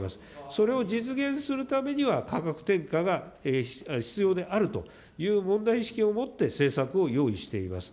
それを実現するためには、価格転嫁が必要であるという問題意識を持って、政策を用意しています。